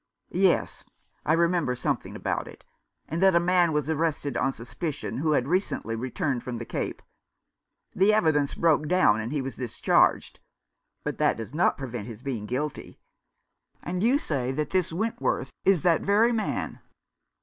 "Yes, I remember something about it — and that a man was arrested on suspicion, who had recently returned from the Cape. The evidence broke down, and he was discharged ; but that does not prevent his being guilty. And you say that this Wentworth is that very man